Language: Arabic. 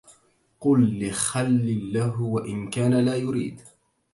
قل لخل له وإن كان لا يد